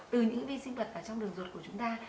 từ những vi sinh vật ở trong đường ruột của chúng ta